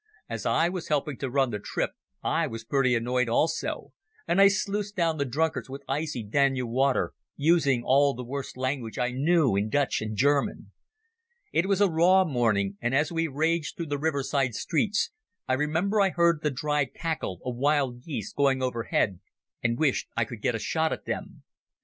As I was helping to run the trip I was pretty annoyed also, and I sluiced down the drunkards with icy Danube water, using all the worst language I knew in Dutch and German. It was a raw morning, and as we raged through the river side streets I remember I heard the dry crackle of wild geese going overhead, and wished I could get a shot at them.